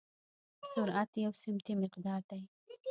سرعت یو سمتي مقدار دی.